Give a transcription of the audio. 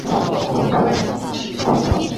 北魏皇始二年。